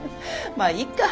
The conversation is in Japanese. まあいっか。